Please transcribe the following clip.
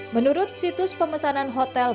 menurut situs pemesanan hotel